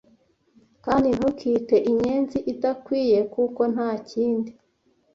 Kandi ntukite inyenzi idakwiye kuko ntakindi,